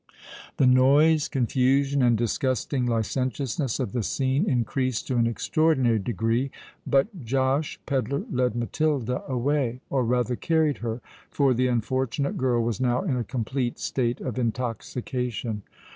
The noise, confusion, and disgusting licentiousness of the scene increased to an extraordinary degree; but Josh Pedler led Matilda away—or rather carried her; for the unfortunate girl was now in a complete state of intoxication.